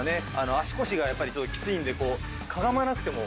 足腰がやっぱりちょっときついんでかがまなくても。